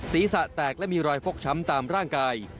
ศีรษะแตกและมีรอยฟกช้ำตามร่างกาย